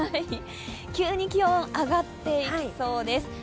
急に気温が上がっていきそうです。